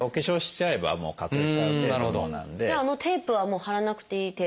じゃああのテープはもう貼らなくていい程度？